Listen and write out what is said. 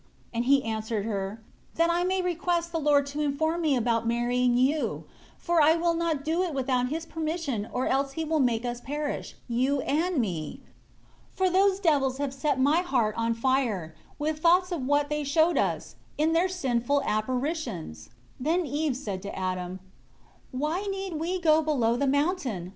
19 And he answered her, "That I may request the Lord to inform me about marrying you; for I will not do it without His permission or else He will make us perish, you and me. For those devils have set my heart on fire, with thoughts of what they showed us, in their sinful apparitions. 20 Then Eve said to Adam, "Why need we go below the mountain?